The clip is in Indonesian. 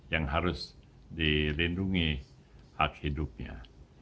yang harus dilindungi hak hidupnya